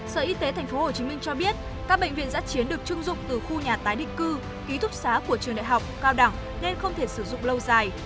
sở y tế thành phố hồ chí minh cho biết các bệnh viện giã chiến được trưng dụng từ khu nhà tái định cư ký thúc xá của trường đại học cao đẳng nên không thể sử dụng lâu dài